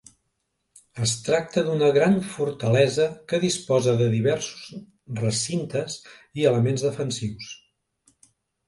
Es tracta d'una gran fortalesa que disposa de diversos recintes i elements defensius.